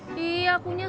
iya punya aku kucing gue